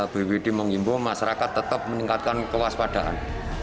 bppd mengimbau masyarakat tetap meningkatkan kewaspadaan